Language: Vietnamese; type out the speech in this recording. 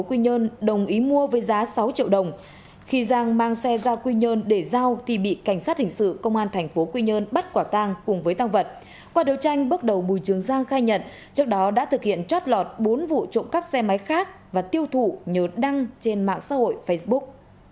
qua điều tranh bước đầu bùi trường giang khai nhận trước đó đã thực hiện trót lọt bốn vụ trộm cắp xe máy khác và tiêu thụ nhớ đăng trên mạng xã hội facebook